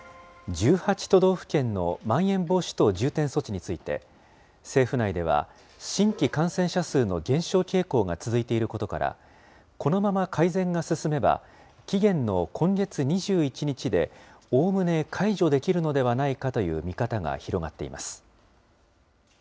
１８都道府県のまん延防止等重点措置について、政府内では、新規感染者数の減少傾向が続いていることから、このまま改善が進めば、期限の今月２１日で、おおむね解除できるのではないかという見方が広がっています。